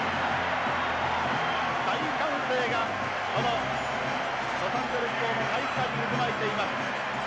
大歓声がこのロサンゼルスの体育館に渦巻いています。